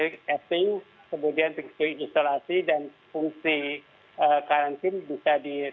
kemudian fungsi isolasi dan fungsi karantin bisa dikontrol